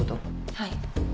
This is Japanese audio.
はい。